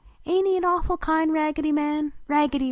Aint lie a awful kind Raggedy Man? Raggedy!